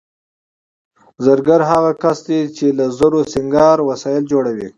زرګر هغه کس دی چې له زرو سینګاري وسایل جوړوي